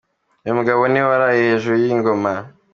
Uyu mugabo ni we waraye hejuru y'iyi ngona.